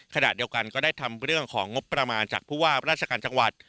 ขณะเดียวกันก็ได้ทำเรื่องของงบประมาณจากผู้ว่าราชการจังหวัด